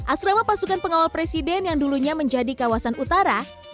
asrama pasukan pengawal presiden yang dulunya menjadi kawasan utara